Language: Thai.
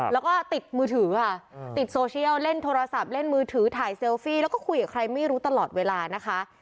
แล้วก็ติดมือถือค่ะติดโซเชียลเล่นโทรศัพท์เล่นมือถือถ่ายเซลฟี่แล้วก็คุยกับใครไม่รู้ตลอดเวลานะคะ